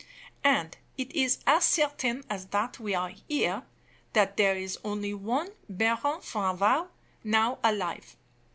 And it is as certain as that we are here, that there is only one Baron Franval now alive.